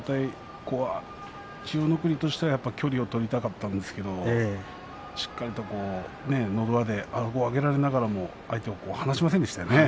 千代の国としては距離を取りたかったんですけれどしっかりと、のど輪であごを上げられながらも相手を離しませんでしたね。